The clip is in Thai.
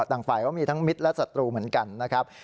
ต่างฝ่ายเขามีทั้งมิตรและศัตรูเหมือนกันนะครับ